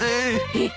えっ。